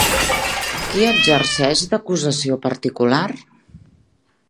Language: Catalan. Qui exerceix d'acusació particular?